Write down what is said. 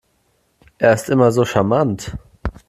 Er ist immer so charmant.